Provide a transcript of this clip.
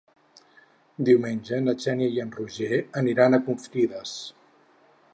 Diumenge na Xènia i en Roger aniran a Confrides.